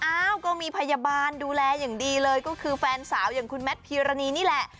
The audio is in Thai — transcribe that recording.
อ้าวก็มีพยาบาลดูแลอย่างดีเลยก็คือแฟนสาวอย่างคุณแมทพีรณีนี่แหละ